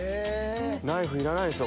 ナイフいらないですよ